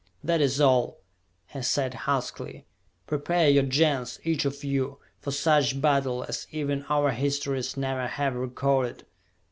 "That is all," he said huskily. "Prepare your Gens, each of you, for such battle as even our histories never have recorded!